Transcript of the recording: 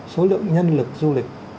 số lượng nhân lực du lịch